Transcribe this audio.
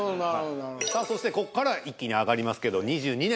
さあそしてここから一気に上がりますけど２２年。